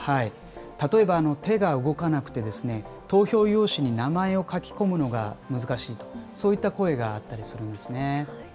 例えば手が動かなくて投票用紙に名前を書き込むのが難しい、そういった声があったりするんですね。